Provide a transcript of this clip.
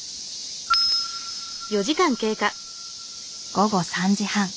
午後３時半。